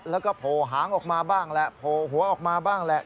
แล้วก็โผล่หางออกมาบ้างแหละโผล่หัวออกมาบ้างแหละ